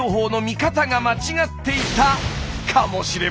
かもしれませんよ。